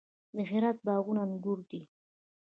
د هرات باغونه انګور دي